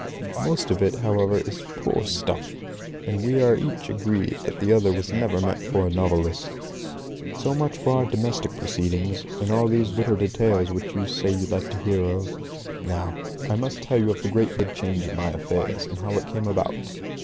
'" Most of it, however, is poor stuff, and we are each agreed that the other was never meant for a novelist. So much for our domestic proceedings, and all these little details which you say you like to hear of. Now I must tell you of the great big change in my affairs, and how it came about.